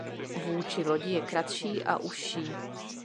Vůči lodi je kratší a užší.